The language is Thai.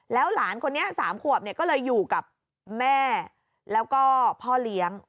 หลานคนนี้๓ขวบเนี่ยก็เลยอยู่กับแม่แล้วก็พ่อเลี้ยง